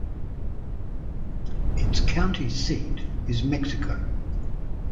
Its county seat is Mexico.